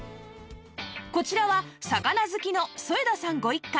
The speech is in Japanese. こちらは魚好きの添田さんご一家